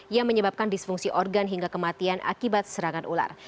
yang menyebabkan disfungsi organ hingga kematian akibat serangan ular